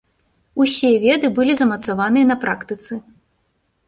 Усе веды былі замацаваныя на практыцы.